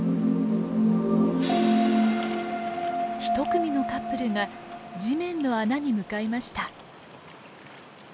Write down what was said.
１組のカップルが地面の穴に向かいました。